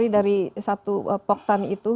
dari satu poktan itu